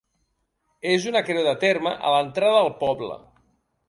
És una creu de terme a l'entrada del poble.